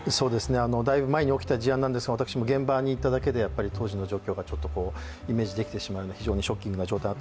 だいぶ前に起きた事案なんですが私も現場にいただけでやっぱり当時の状況がイメージできてしまうような非常にショッキングな現状です。